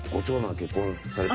結婚されたし。